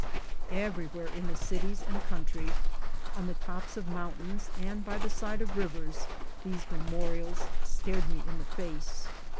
Everywhere, in the cities and country, on the tops of mountains, and by the side of rivers, these memorials stared me in the face.